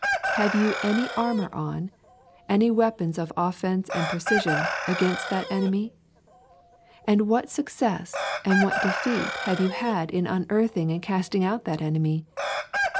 Have you any armour on, any weapons of offence and precision, against that enemy? And what success and what defeat have you had in unearthing and casting out that enemy?